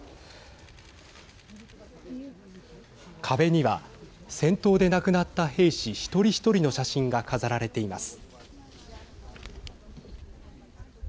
壁には、戦闘で亡くなった兵士一人一人の写真が飾られています。